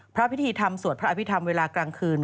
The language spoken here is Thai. พระพิธีธรรมสวดพระอภิธรรมเวลากลางคืน